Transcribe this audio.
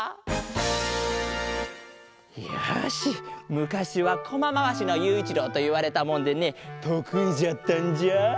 むかしはコマまわしのゆういちろうといわれたもんでねとくいじゃったんじゃ！